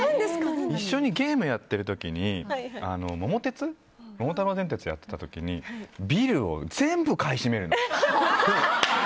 一緒にゲームやってる時に「桃太郎電鉄」をやってた時にビルを全部買い占めるんです。